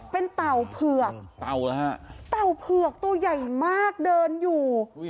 เป็นเต่าเผือกเต่าเหรอฮะเต่าเผือกตัวใหญ่มากเดินอยู่